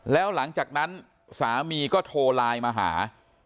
แล้วหลังจากนั้นสามีก็โทรไลน์มาหา